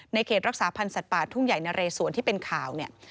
เขตรักษาพันธ์สัตว์ป่าทุ่งใหญ่นะเรสวนที่เป็นข่าวเนี่ย